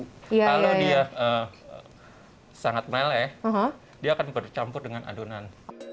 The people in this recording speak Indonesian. kalau dia sangat meleleh dia akan bercampur dengan adonan